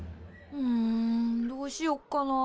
んどうしよっかなあ。